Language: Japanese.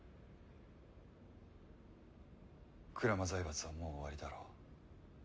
鞍馬財閥はもう終わりだろう。